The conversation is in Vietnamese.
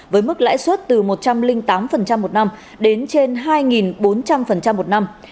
với mức lãi suất từ một trăm linh tám một năm đến trên hai bốn trăm linh một năm